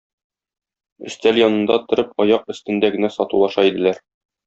өстәл янында торып аяк өстендә генә сатулаша иделәр.